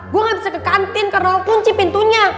gue gak bisa ke kantin karena kunci pintunya